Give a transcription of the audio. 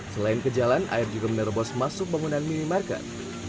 selain ke jalan air juga menerobos masuk bangunan minimarket